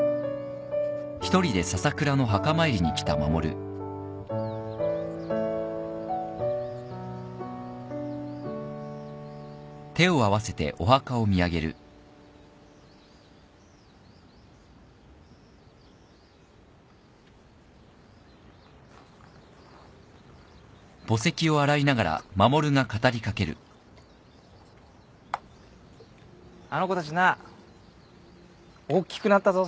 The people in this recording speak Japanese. あの子たちなおっきくなったぞ笹倉。